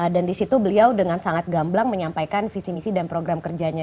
dan disitu beliau dengan sangat gamblang menyampaikan visi misi dan program kerjanya